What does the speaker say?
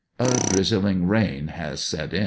A drizzling rain has set m.